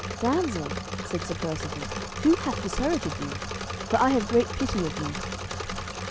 "Damsel," said Sir Percivale, "who hath disherited you? for I have great pity of you."